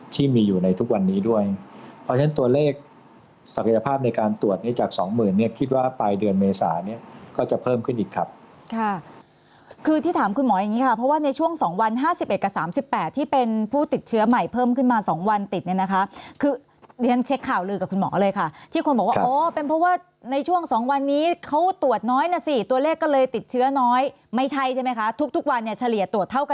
ที่มีอยู่ในทุกวันนี้ด้วยเพราะฉะนั้นตัวเลขศักยภาพในการตรวจเนี้ยจากสองหมื่นเนี้ยคิดว่าภายเดือนเมษานี้ก็จะเพิ่มขึ้นอีกครับค่ะคือที่ถามคุณหมออย่างงี้ค่ะเพราะว่าในช่วงสองวันห้าสิบเอ็ดกับสามสิบแปดที่เป็นผู้ติดเชื้อใหม่เพิ่มขึ้นมาสองวันติดเนี้ยนะคะคือเดี๋ยวฉันเช็คข่าวเลย